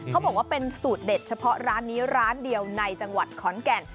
เขาบอกว่าเป็นสูตรเด็ดเฉพาะร้านนี้ร้านเดียวในจังหวัดขอนแก่น